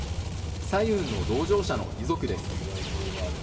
彩雲の同乗者の遺族です。